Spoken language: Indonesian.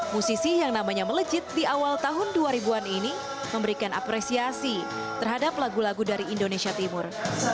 musisi yang namanya melejit di awal tahun dua ribu an ini memberikan apresiasi terhadap lagu lagu dari indonesia timur